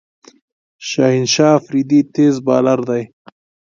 شاهین شاه آفريدي تېز بالر دئ.